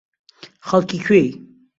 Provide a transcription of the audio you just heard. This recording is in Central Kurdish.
خەڵکی کوێی؟